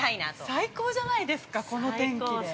◆最高じゃないですか、この天気で。